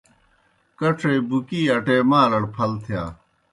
کڇے بُکِی اٹے مالڑ پھل تِھیا۔